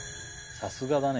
さすがだね